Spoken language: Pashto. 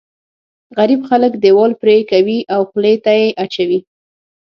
غريب خلک دیوال پرې کوي او خولې ته یې اچوي.